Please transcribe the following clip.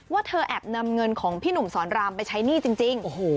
ว่าเธอแอบนำเงินของพี่หนุ่มสอนรามไปใช้หนี้จริง